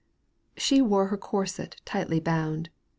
She wore her corset tightly bound.